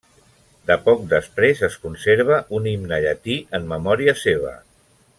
De poc després es conserva un himne llatí en memòria seva.